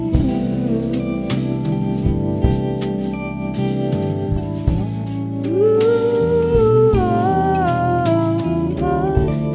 menuju ke tempat